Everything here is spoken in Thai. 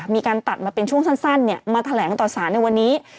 มีการตัดมาเป็นช่วงสั้นมาแถลงต่อสารในวันนี้